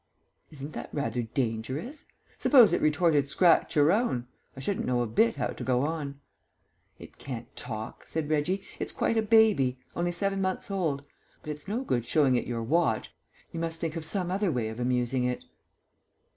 "Isn't that rather dangerous? Suppose it retorted 'Scratch your own,' I shouldn't know a bit how to go on." "It can't talk," said Reggie. "It's quite a baby only seven months old. But it's no good showing it your watch; you must think of some other way of amusing it."